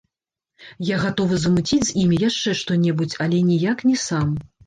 Я гатовы замуціць з імі яшчэ што-небудзь, але ніяк не сам.